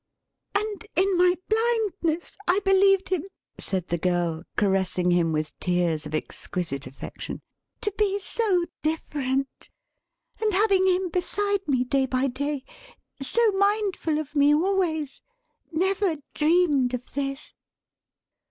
"And in my Blindness, I believed him," said the girl, caressing him with tears of exquisite affection, "to be so different! And having him beside me, day by day, so mindful of me always, never dreamed of this!"